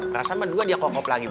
rasanya dua dia kokop lagi